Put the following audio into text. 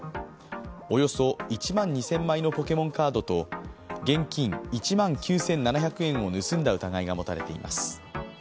およそ１万２０００枚のポケモンカードと現金１万９７００円を盗んだ疑いが持たれています。